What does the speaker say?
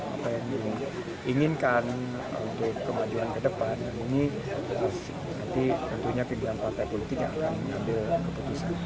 apa yang diinginkan untuk kemajuan ke depan dan ini nanti tentunya pimpinan partai politik yang akan mengambil keputusan